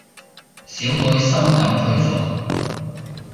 小妹深感佩服